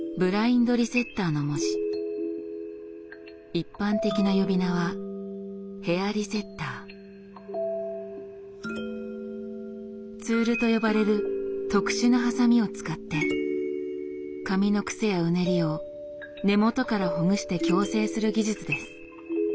一般的な呼び名はツールと呼ばれる特殊なハサミを使って髪のクセやうねりを根元からほぐして矯正する技術です。